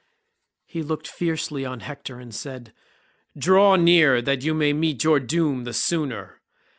He looked fiercely on Hector and said, "Draw near, that you may meet your doom the sooner."